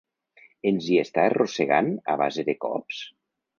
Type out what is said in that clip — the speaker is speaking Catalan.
Ens hi està arrossegant a base de cops?